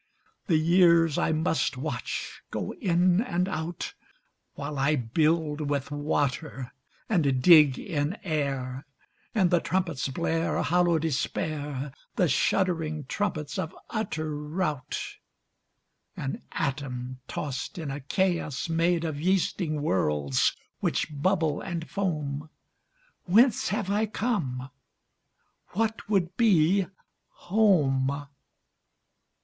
The years I must watch go in and out, While I build with water, and dig in air, And the trumpets blare Hollow despair, The shuddering trumpets of utter rout. An atom tossed in a chaos made Of yeasting worlds, which bubble and foam. Whence have I come? What would be home?